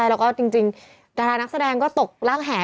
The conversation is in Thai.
แล้วก็จริงดารานักแสดงก็ตกร่างแห่